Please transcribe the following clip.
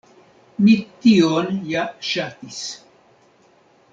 Mi tion ja ŝatis.